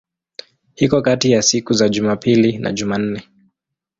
Iko kati ya siku za Jumapili na Jumanne.